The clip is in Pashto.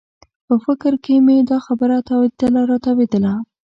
په فکر کې مې دا خبره تاوېدله او راتاوېدله.